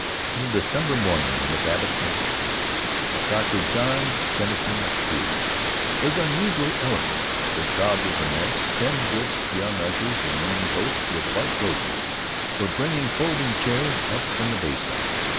On a December morning when the Babbitts went to church, Dr. John Jennison Drew was unusually eloquent. The crowd was immense. Ten brisk young ushers, in morning coats with white roses, were bringing folding chairs up from the basement.